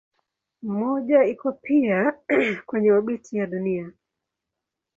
Mmoja iko pia kwenye obiti ya Dunia.